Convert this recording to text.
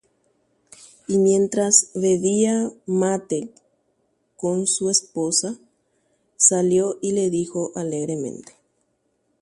Ha okay'u aja hembirekomi ndive, osẽkuri he'i chupe torypaitépe.